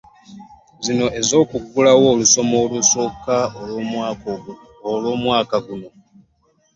Zino ez'okuggulawo olusoma olusooka olw'omwaka guno.